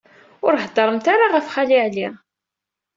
Ur heddṛemt ara ɣef Xali Ɛli.